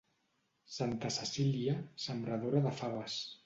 Santa Cecília, sembradora de faves.